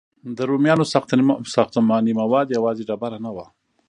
د رومیانو ساختماني مواد یوازې ډبره نه وه.